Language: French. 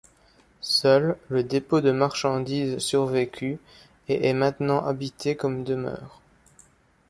Seul, le dépôt de marchandises survécut, et est maintenant habité comme demeure.